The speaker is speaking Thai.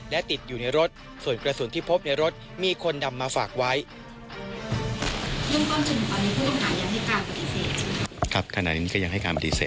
และติดอยู่ในรถส่วนกระสุนที่พบในรถมีคนนำมาฝากไว้